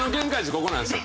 ここなんですよ。